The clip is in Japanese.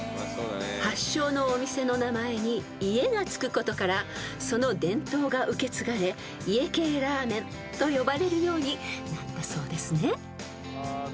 ［発祥のお店の名前に「家」がつくことからその伝統が受け継がれ家系ラーメンと呼ばれるようになったそうですね］